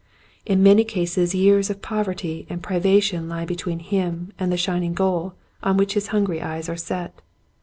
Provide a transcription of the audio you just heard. In many cases years of poverty and pri vation He between him and the shining goal on which his hungry eyes are set.